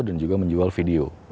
dan juga menjual video